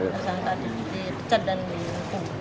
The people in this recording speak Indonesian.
tersangka dipecat dan dihukum